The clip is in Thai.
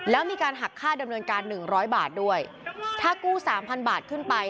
แล้วมีการหักค่าดำเนินการหนึ่งร้อยบาทด้วยถ้ากู้สามพันบาทขึ้นไป